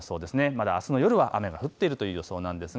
まだあすの夜は雨が降っているという予想です。